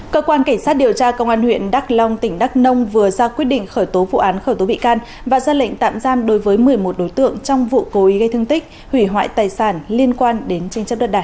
cơ quan cảnh sát điều tra công an huyện đắk long tỉnh đắk nông vừa ra quyết định khởi tố vụ án khởi tố bị can và ra lệnh tạm giam đối với một mươi một đối tượng trong vụ cố ý gây thương tích hủy hoại tài sản liên quan đến tranh chấp đất đài